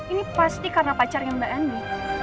ini pasti karena pacarnya mbak andi